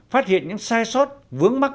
phát hiện những sai sót vướng mắt